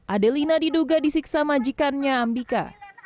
adelina diduga disiksa majikannya ambika